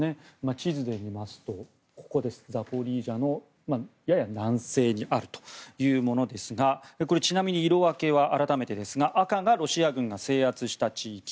地図で見ますとザポリージャのやや南西にあるというところですがちなみに色分けは、改めてですが赤がロシア軍が制圧した地域。